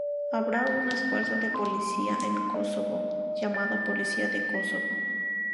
Habrá una fuerza de policía en Kosovo llamada Policía de Kosovo.